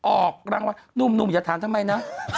ออกรางวัลหนุ่มอย่าถามทำไมนะ